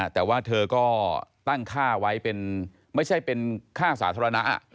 แต่ว่าเธอก็ตั้งค่าไว้เป็นไม่ใช่เป็นค่าสาธารณะ